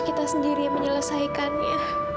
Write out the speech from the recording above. kita sendiri yang menyelesaikannya